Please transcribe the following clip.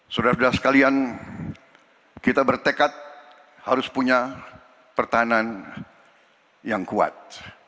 saudara saudara sekalian kita bertekad harus punya pertahanan yang kuat